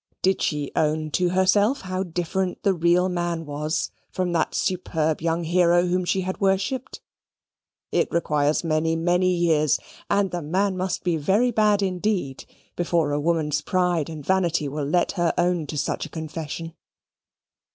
Did she own to herself how different the real man was from that superb young hero whom she had worshipped? It requires many, many years and a man must be very bad indeed before a woman's pride and vanity will let her own to such a confession.